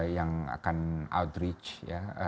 yang akan outreach ya